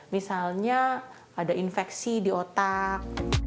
misalnya ada infeksi di otak